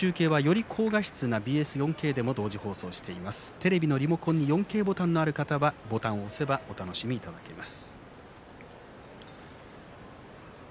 テレビのリモコンに４Ｋボタンのある方はボタンを押せばお楽しみいただけます。